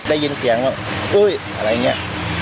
ได้ยินเสียงแบบอุ๊ยอะไรอย่างนี้